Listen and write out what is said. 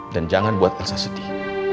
dan jangan buat elsa sedih